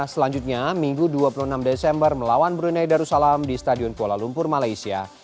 selanjutnya minggu dua puluh enam desember melawan brunei darussalam di stadion kuala lumpur malaysia